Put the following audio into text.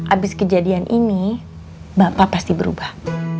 abis kejadian ini bapak pasti berubah